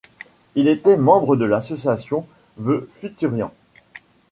Il était membre de l'association The Futurians.